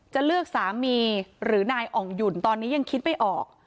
จะเลือกสามีหรือนายอ่องหยุ่นตอนนี้ยังคิดไม่ออก